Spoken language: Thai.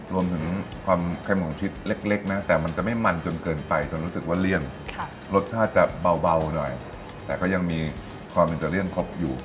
รวมถึงความเค็มของชิดเล็กนะแต่มันจะไม่มันจนเกินไปจนรู้สึกว่าเลี่ยนรสชาติจะเบาหน่อยแต่ก็ยังมีความอิตาเลียนครบอยู่